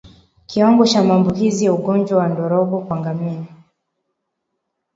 Kiwango cha maambukizi ya ugonjwa wa ndorobo kwa ngamia